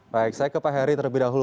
baik saya ke pak heri terlebih dahulu